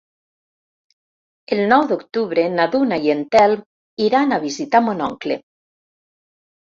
El nou d'octubre na Duna i en Telm iran a visitar mon oncle.